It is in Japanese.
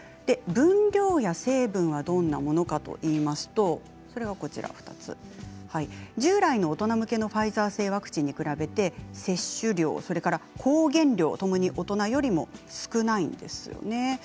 分量や成分はどんなものかといいますと従来の大人向けのファイザー製ワクチンに比べて接種量、それから抗原量ともに大人よりも少ないんですね。